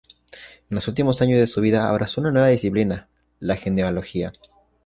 En los últimos años de su vida abrazó una nueva disciplina: la genealogía.